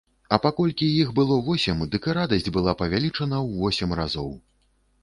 А паколькі іх было восем, дык і радасць была павялічана ў восем разоў.